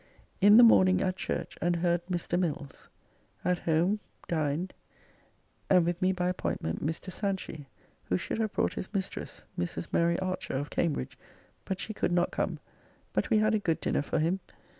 In the morning at church and heard Mr. Mills. At home dined and with me by appointment Mr. Sanchy, who should have brought his mistress, Mrs. Mary Archer, of Cambridge, but she could not come, but we had a good dinner for him.